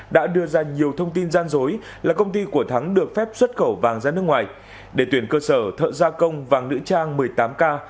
đã đưa ra nhiều thông tin gian dối là công ty của thắng được phép xuất khẩu vàng ra nước ngoài để tuyển cơ sở thợ gia công vàng nữ trang một mươi tám k